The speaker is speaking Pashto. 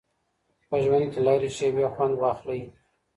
په ژوند کي له هرې شیبې خوند واخلئ.